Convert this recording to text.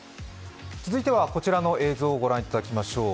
続いてはこちらの映像を御覧いただきましょう。